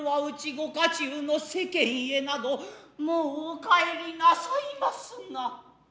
御家中の世間へなどもうお帰りなさいますな。